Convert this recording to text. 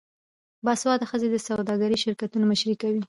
باسواده ښځې د سوداګریزو شرکتونو مشري کوي.